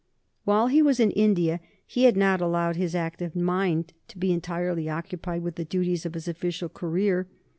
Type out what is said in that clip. While he was in India he had not allowed his active mind to be entirely occupied with the duties of his official career.